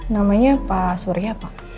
namanya pak surya pak